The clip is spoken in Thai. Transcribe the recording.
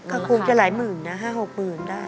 ก็คงจะหลายหมื่นนะ๕๖๐๐๐ได้